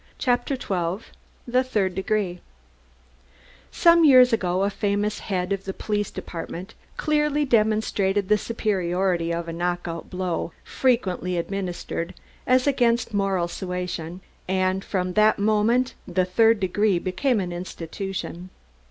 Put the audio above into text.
CHAPTER XII THE THIRD DEGREE Some years ago a famous head of the police department clearly demonstrated the superiority of a knock out blow, frequently administered, as against moral suasion, and from that moment the "third degree" became an institution.